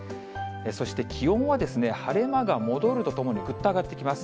そして気温は、晴れ間が戻るとともに、ぐっと上がってきます。